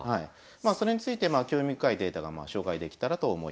それについて興味深いデータがまあ紹介できたらと思います。